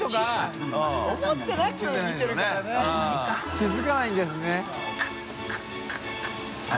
気づかないんですね。